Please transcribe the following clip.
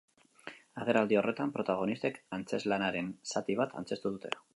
Agerraldi horretan protagonistek antzezlanaren zati bat antzeztu dute.